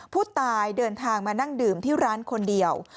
ผู้ตายเดินทางมานั่งดื่มที่ร้านคนเดียว